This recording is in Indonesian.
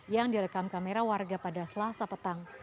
yang direkam kamera warga pada selasa petang